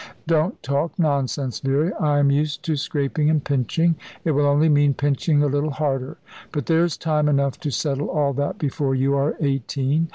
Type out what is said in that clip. "Don't talk nonsense, Vera. I am used to scraping and pinching. It will only mean pinching a little harder. But there's time enough to settle all that before you are eighteen.